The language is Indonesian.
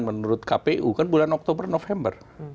menurut kpu kan bulan oktober november